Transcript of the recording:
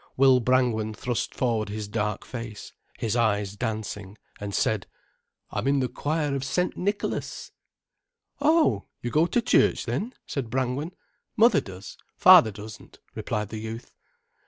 Will Brangwen thrust forward his dark face, his eyes dancing, and said: "I'm in the choir of St. Nicholas." "Oh, you go to church then!" said Brangwen. "Mother does—father doesn't," replied the youth.